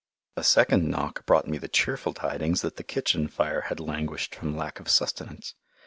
A second knock brought me the cheerful tidings that the kitchen fire had languished from lack of sustenance.